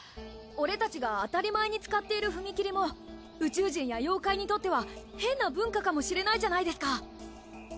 俺たちが当たり前に使っている踏切も宇宙人や妖怪にとっては変な文化かもしれないじゃないですか。